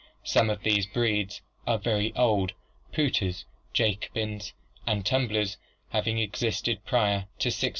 Some of these breeds are very old, pouters, Jacobins and tumblers having existed prior to 1600.